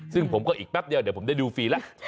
ซึ่งผมก็อีกแป๊บเดียวเดี๋ยวผมได้ดูฟรีแล้ว